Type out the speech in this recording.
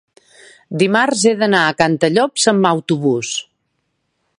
dimarts he d'anar a Cantallops amb autobús.